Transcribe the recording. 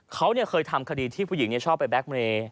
เขาเคยทำคดีที่ผู้หญิงชอบไปแก๊กเมย์